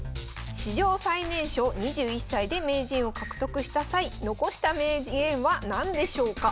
史上最年少・２１歳で名人を獲得した際残した名言は何でしょうか？